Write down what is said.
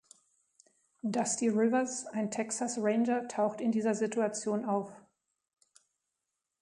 Dusty Rivers, ein Texas Ranger, taucht in dieser Situation auf.